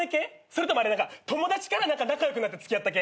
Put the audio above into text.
それとも友達から仲良くなって付き合った系？